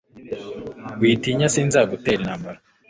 Witinya sinzagutera intambara